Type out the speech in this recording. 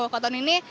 kota un ini